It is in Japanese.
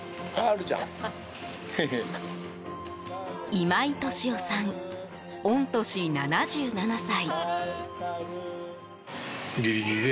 今井敏夫さん、御年７７歳。